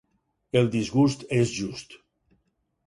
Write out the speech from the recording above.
El disgust és just.